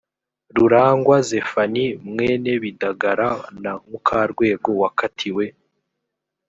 rurangwa zephanie mwene bidagara na mukarwego wakatiwe